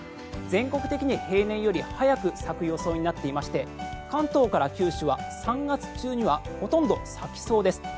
全国的に平年より早く咲く予想になっていまして関東から九州は３月中にはほとんど咲きそうです。